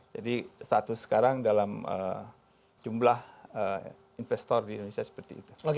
jadi status sekarang dalam jumlah investor di indonesia seperti itu